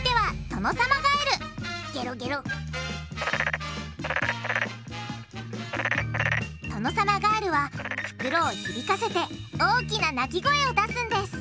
トノサマガエルはふくろを響かせて大きな鳴き声を出すんです！